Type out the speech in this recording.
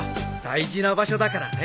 大事な場所だからね。